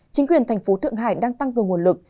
chính quyền thành phố thượng hải đang tăng cường nguồn lực